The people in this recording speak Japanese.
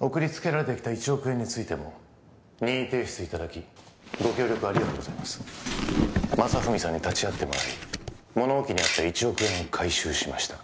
送りつけられてきた１億円についても任意提出いただきご協力ありがとうございます正文さんに立ち会ってもらい物置にあった１億円を回収しました